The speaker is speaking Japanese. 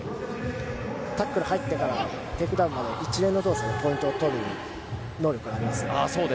タックル入ってからテイクダウンまで一連の動作でポイントを取る能力があります。